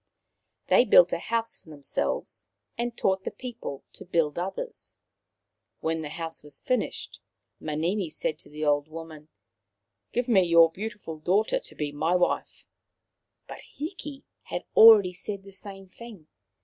They built a house for themselves, and taught the people to build others. When the house was finished, Manini said to the old woman: " Give me your beautiful daughter to be my wife." But Hiki had already said the same thing.